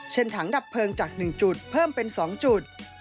ถังดับเพลิงจาก๑จุดเพิ่มเป็น๒จุด